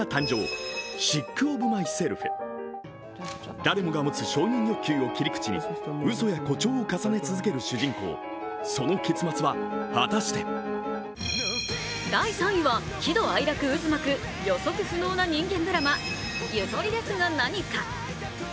誰もが持つ、承認欲求を切り口にうそや誇張を重ね続ける主人公、その結末は果たして第３位は喜怒哀楽渦巻く予測不能な人間ドラマ「ゆとりですがなにか」。